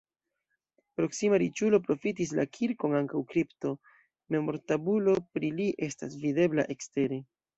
Proksima riĉulo profitis la kirkon ankaŭ kripto, memortabulo pri li estas videbla ekstere.